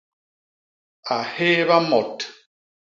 A hééba mot.